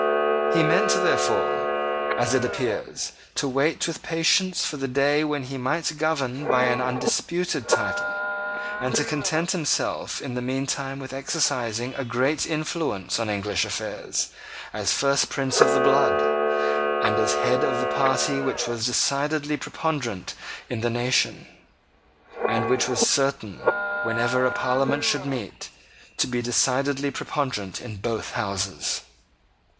He meant, therefore, as it appears, to wait with patience for the day when he might govern by an undisputed title, and to content himself in the meantime with exercising a great influence on English affairs, as first Prince of the blood, and as head of the party which was decidedly preponderant in the nation, and which was certain whenever a Parliament should meet, to be decidedly preponderant in both Houses.